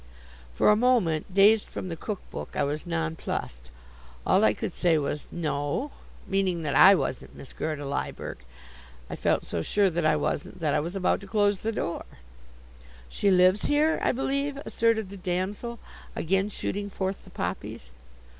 For a moment, dazed from the cook book, I was nonplussed. All I could say was "No," meaning that I wasn't Miss Gerda Lyberg. I felt so sure that I wasn't that I was about to close the door. "She lives here, I believe," asserted the damsel, again shooting forth the poppies.